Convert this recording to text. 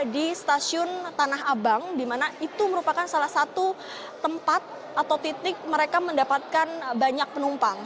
di stasiun tanah abang di mana itu merupakan salah satu tempat atau titik mereka mendapatkan banyak penumpang